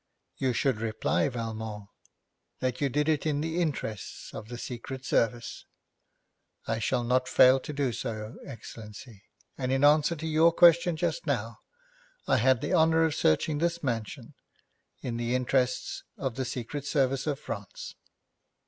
'You should reply, Valmont, that you did it in the interests of the Secret Service.' 'I shall not fail to do so, Excellency, and in answer to your question just now, I had the honour of searching this mansion in the interests of the Secret Service of France.'